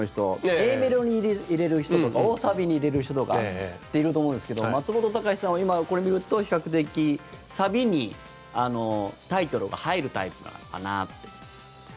Ａメロに入れる人とか大サビに入れる人とかっていると思うんですけど松本隆さんは、今これ見ると比較的サビにタイトルが入るタイプなのかなと。